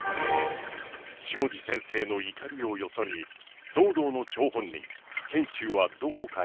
下地先生の怒りをよそに騒動の張本人賢秀はどこかに雲隠れ。